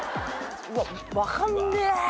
うわ分かんねえ。